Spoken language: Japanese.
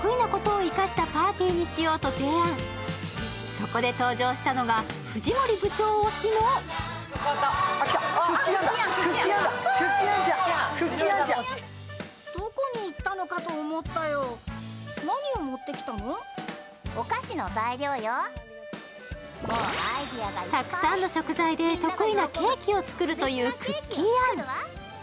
そこで登場したのが藤森部長推しのたくさんの食材で得意なケーキを作るというクッキー・アン。